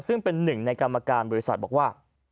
ซึ่งเป็นหนึ่งในกรรมการบริษัทบอกว่า